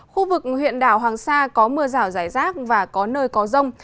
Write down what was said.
khu vực huyện đảo hoàng sa có mưa rào rải rác và có nơi có rông